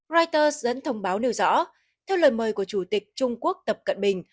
reuters dẫn thông báo nêu rõ theo lời mời của chủ tịch trung quốc tập cận bình